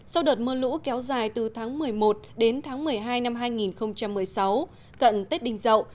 sau đợt mưa lũ kéo dài từ tháng một mươi một đến tháng một mươi hai năm hai nghìn một mươi sáu cận tết đình dậu